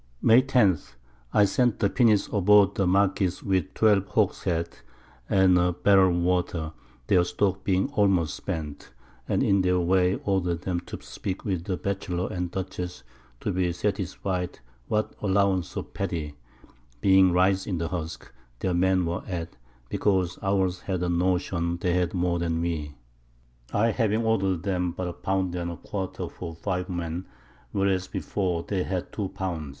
May 10. I sent the Pinnace aboard the Marquiss with 12 Hogsheads and a Barrel of Water, their Stock being almost spent, and in their Way order'd 'em to speak with the Batchelor and Dutchess, to be satisfy'd what Allowance of Pady (being Rice in the Husk) their Men were at; because ours had a Notion they had more than we, I having order'd 'em but a Pound and a Quarter for 5 Men, whereas before they had two Pound.